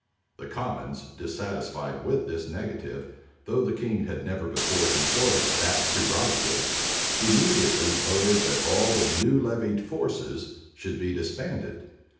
The commons, dissatisfied with this negative, though the king had never before employed that prerogative, immediately voted that all the new levied forces should be disbanded.